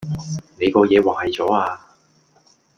你個野壞左呀